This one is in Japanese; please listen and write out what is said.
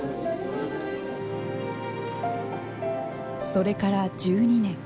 それから１２年。